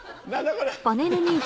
これ。